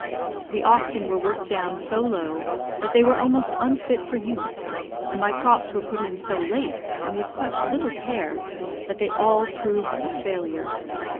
The oxen were worked down so low that they were almost unfit for use, and my crops were put in so late, and with such little care, that they all proved a failure.